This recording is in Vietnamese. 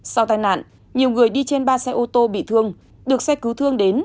sau tai nạn nhiều người đi trên ba xe ô tô bị thương được xe cứu thương đến